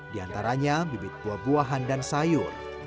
di antaranya bibit buah buahan dan sayur